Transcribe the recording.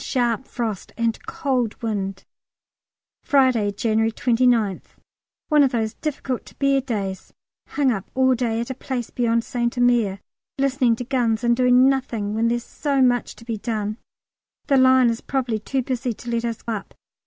Sharp frost and cold wind. Friday, January 29th. One of those difficult to bear days; hung up all day at a place beyond St Omer, listening to guns, and doing nothing when there's so much to be done. The line is probably too busy to let us up.